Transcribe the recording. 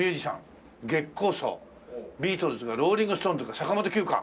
ビートルズかローリングストーンズか坂本九か。